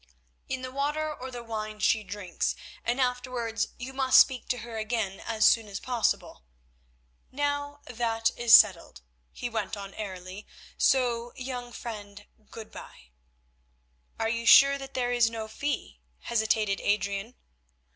"In the water or the wine she drinks, and afterwards you must speak to her again as soon as possible. Now that is settled," he went on airily, "so, young friend, good bye." "Are you sure that there is no fee?" hesitated Adrian.